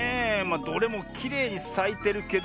あどれもきれいにさいてるけど。